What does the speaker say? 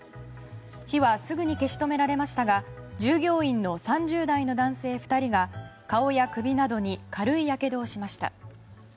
火はすぐに消し止められましたが従業員の３０代の男性２人が顔や首などに軽いやけどをしました。